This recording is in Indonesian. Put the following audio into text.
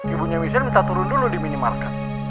ibunya misir minta turun dulu di minimarket